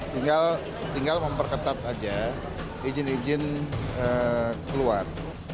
tinggal memperketat saja izin izin keluar